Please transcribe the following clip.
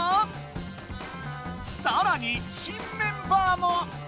さらに新メンバーも！